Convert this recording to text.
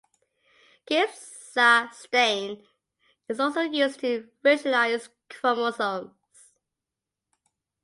Giemsa stain is also used to visualize chromosomes.